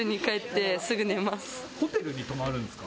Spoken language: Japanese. ホテルに泊まるんすか？